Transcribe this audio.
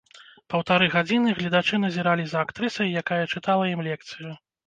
Паўтары гадзіны гледачы назіралі за актрысай, якая чытала ім лекцыю.